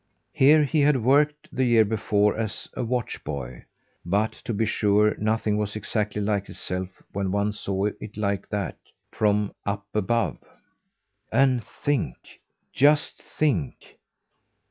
Here he had worked the year before as a watch boy; but, to be sure, nothing was exactly like itself when one saw it like that from up above. And think! Just think!